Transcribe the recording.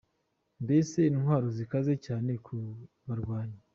Mbese intwaro zikaze cyane ku barwanyi.